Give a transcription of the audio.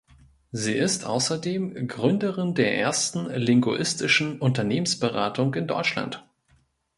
Sie ist außerdem Gründerin der ersten linguistischen Unternehmensberatung in Deutschland.